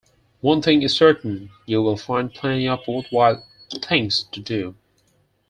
One thing is certain: you will find plenty of worthwhile things to do.